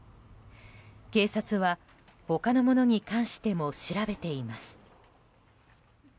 警察は他のものに関しても調べています。